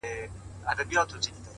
گراني شاعري ستا په خوږ ږغ كي”